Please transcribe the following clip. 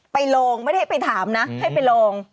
ไปลองไม่ได้ไปถามนะให้ไปลอง